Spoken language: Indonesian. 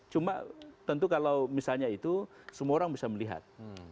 cuma tentu kalau misalnya itu semua orang bisa melihat